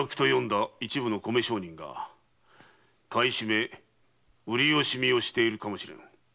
一部の米商人が買い占め・売り惜しみをしているかもしれぬ。